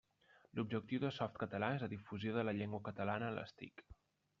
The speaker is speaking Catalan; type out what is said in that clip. L'objectiu de Softcatalà és la difusió de la llengua catalana a les TIC.